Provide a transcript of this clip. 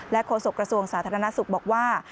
โฆษกระทรวงสาธารณสุขบอกว่า